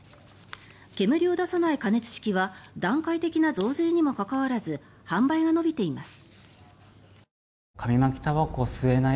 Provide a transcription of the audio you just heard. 煙を出さない加熱式は段階的な増税にもかかわらず販売が伸びています。